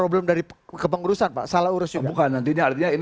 bukan pak salah urus juga